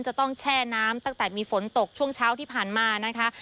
จะต้องแช่น้ำตั้งแต่มีฝนตกช่วงเช้าที่ผ่านมานะคะ